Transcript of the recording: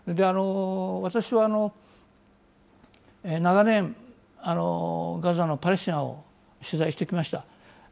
私は長年、ガザのパレスチナを取材してきました。